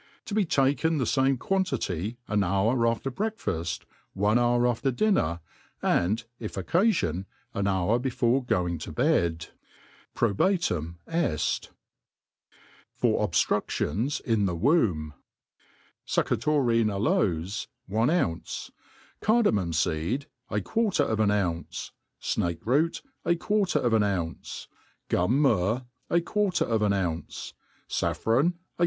Tv7 be taken, the famp quantity an hour after breakfaft, one. hour after dinner, and, if occalion, an hour before goin^: ^p, bed. Probatum (ft. « For ObJlruSiions in the TVomb, SUCCOTORINE aloe/;, one ounce; car d;\mutn*feedj| a, quarter of s^n ounce; fnakcroot, a quarter of an ounqe ;r gum myrrh, a quarter of an ounce; faiFrioni, a.